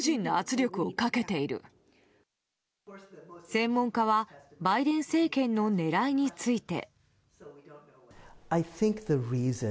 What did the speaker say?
専門家はバイデン政権の狙いについて。